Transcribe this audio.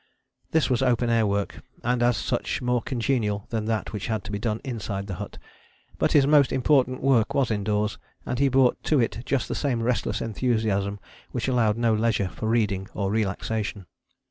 This was open air work, and as such more congenial than that which had to be done inside the hut. But his most important work was indoors, and he brought to it just the same restless enthusiasm which allowed no leisure for reading or relaxation.